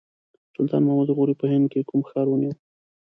سلطان محمد غوري په هند کې کوم ښار ونیو.